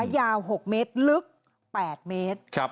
ยาว๖เมตรลึก๘เมตร